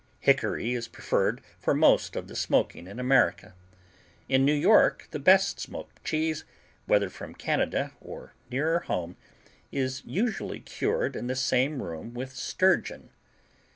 Hickory is preferred for most of the smoking in America. In New York the best smoked cheese, whether from Canada or nearer home, is usually cured in the same room with sturgeon.